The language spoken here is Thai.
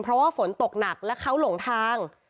เพราะว่าฝนตกหนักและเขาหลงทาง